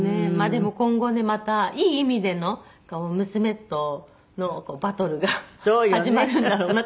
でも今後ねまたいい意味での娘とのバトルが始まるんだろうな。